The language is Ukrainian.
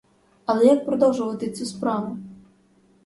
Але як продовжувати цю справу?